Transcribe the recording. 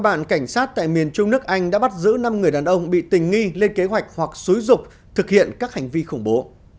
cơ bản cảnh sát tại miền trung nước anh đã bắt giữ năm người đàn ông bị tình nghi lên kế hoạch hoặc xúi rục thực hiện các hành vi khủng bố